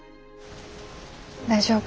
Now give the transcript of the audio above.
大丈夫？